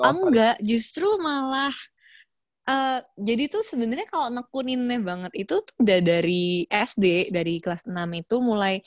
enggak justru malah jadi tuh sebenarnya kalau nekuninnya banget itu udah dari sd dari kelas enam itu mulai